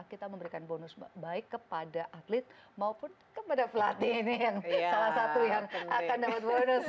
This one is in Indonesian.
kita memberikan bonus baik kepada atlet maupun kepada pelatih ini yang salah satu yang akan dapat bonus